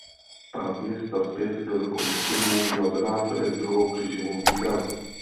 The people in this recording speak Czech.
Pád města zpět do rukou muslimů měl za následek druhou křížovou výpravu.